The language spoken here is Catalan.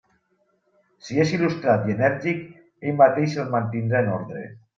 Si és il·lustrat i enèrgic, ell mateix els mantindrà en ordre.